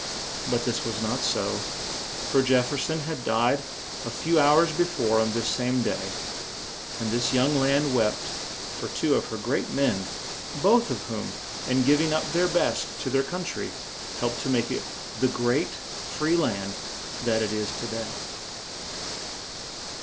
But this was not so, for Jef fer son had died a few hours be fore on this same day; and this young land wept for two of her great men, both of whom, in giv ing up their best to their coun try, helped to make it the great, free land that it is to day.